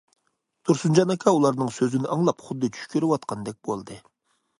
تۇرسۇنجان ئاكا ئۇلارنىڭ سۆزىنى ئاڭلاپ، خۇددى چۈش كۆرۈۋاتقاندەك بولدى.